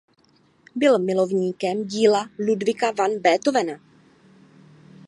Byl milovníkem díla Ludwiga van Beethovena.